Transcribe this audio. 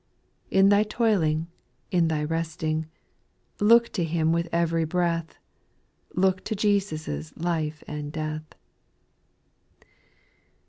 In thy toiling, in thy resting, Look to Him with every breath. Look to Jesus' life and death.